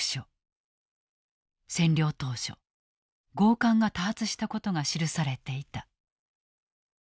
占領当初強姦が多発したことが記されていた。